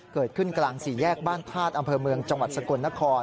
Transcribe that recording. เกิดขึ้นกลางสี่แยกบ้านธาตุอำเภอเมืองจังหวัดสกลนคร